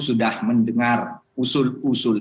sudah mendengar usul usul